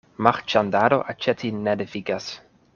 Marĉandado aĉeti ne devigas.